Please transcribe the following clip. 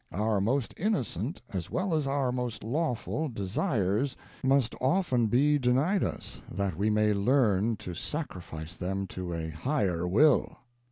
Our most innocent as well as our most lawful desires must often be denied us, that we may learn to sacrifice them to a Higher will."